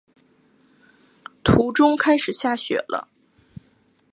途中开始下雪了